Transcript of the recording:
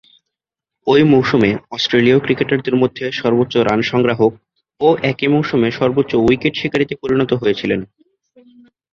ঐ মৌসুমে অস্ট্রেলীয় ক্রিকেটারদের মধ্যে সর্বোচ্চ রান সংগ্রাহক ও একই মৌসুমে সর্বোচ্চ উইকেট শিকারীতে পরিণত হয়েছিলেন।